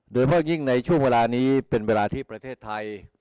โดยมากยิ่งในช่วงเวลานี้เป็นเวลาที่ประเทศไทย